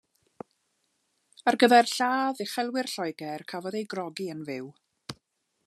Ar gyfer lladd uchelwyr Lloegr cafodd ei grogi yn fyw.